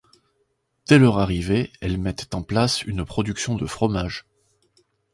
Dès leur arrivée, elles mettent en place une production de fromages.